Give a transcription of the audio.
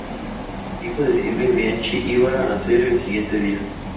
El hijo de Silvia Bianchi iba a nacer el día siguiente.